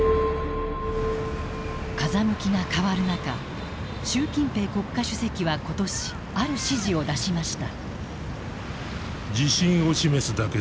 風向きが変わる中習近平国家主席は今年ある指示を出しました。